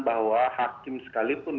bahwa hakim sekalipun